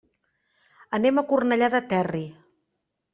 Anem a Cornellà del Terri.